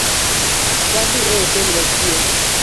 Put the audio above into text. Wadhii e hotel wachiem